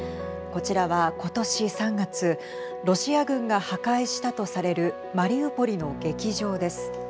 こちらは今年３月ロシア軍が破壊したとされるマリウポリの劇場です。